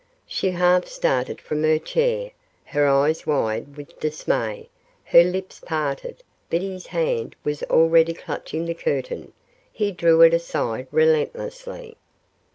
She half started from her chair, her eyes wide with dismay, her lips parted, but his hand was already clutching the curtain. He drew it aside relentlessly.